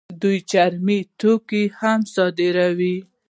دوی چرمي توکي هم صادروي.